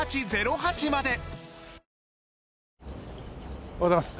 おはようございます。